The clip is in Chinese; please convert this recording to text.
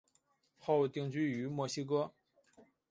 后定居于墨西哥。